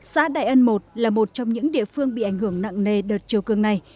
xã đại ân i là một trong những địa phương bị ảnh hưởng nặng nề đợt chiều cường này